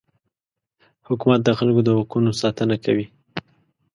حکومت د خلکو د حقونو ساتنه کوي.